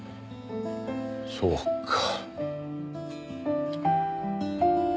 そうか。